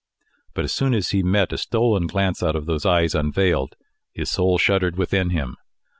But as soon as he met a stolen glance out of those eyes unveiled, his soul shuddered within him.